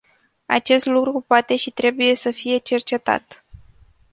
Acest lucru poate și trebuie să fie cercetat.